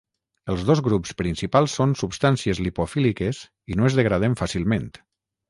Els dos grups principals són substàncies lipofíliques i no es degraden fàcilment.